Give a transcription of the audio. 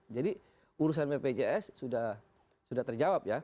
jadi urusan bpjs sudah terjawab ya